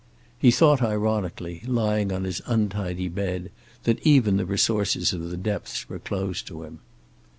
He thought ironically, lying on his untidy bed, that even the resources of the depths were closed to him.